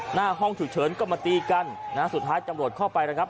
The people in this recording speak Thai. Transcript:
หน้าห้องฉุกเฉินก็มาตีกันนะฮะสุดท้ายจำรวจเข้าไปนะครับ